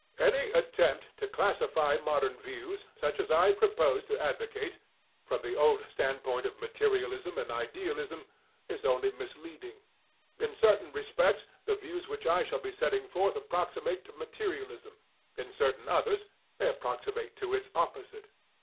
Any attempt to classify modern views, such as I propose to advocate, from the old standpoint of materialism and idealism, is only misleading. In certain respects, the views which I shall be setting forth approximate to materialism; in certain others, they approximate to its opposite.